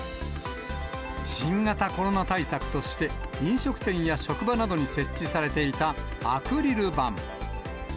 新型コロナ対策として、飲食店や職場などに設置されていたアクリル板。